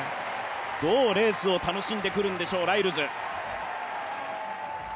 どうレースを楽しんでくるんでしょう、ライルズ。